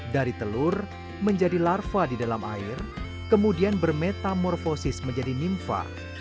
dari telur menjadi larva di dalam air kemudian bermetamorfosis menjadi nimfa